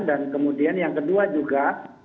dan kemudian yang kedua juga